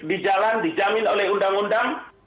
di jalan dijamin oleh undang undang